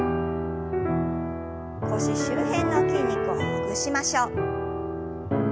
腰周辺の筋肉をほぐしましょう。